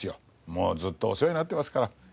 もうずっとお世話になってますから。